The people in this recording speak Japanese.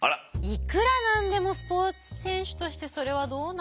いくら何でもスポーツ選手としてそれはどうなんですか？